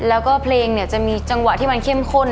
แล้วก็เพลงเนี่ยจะมีจังหวะที่มันเข้มข้น